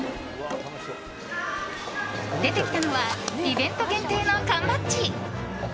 出てきたのはイベント限定の缶バッジ。